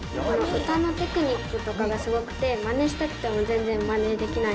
歌のテクニックとかがすごくて、まねしたくても全然まねできない。